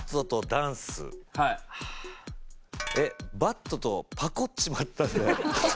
えっバッドとパコっちまったんだよ。